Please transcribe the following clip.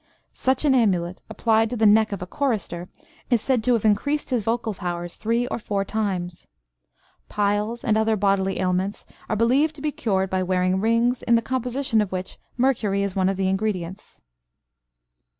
Such an amulet, applied to the neck of a chorister, is said to have increased his vocal powers three or four times. Piles, and other bodily ailments, are believed to be cured by wearing rings, in the composition of which mercury is one of the ingredients.